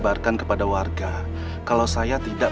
eli rinna itu kan salah sih